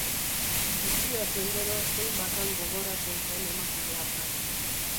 Bitxia zen gero zein bakan gogoratzen zen emakume hartaz.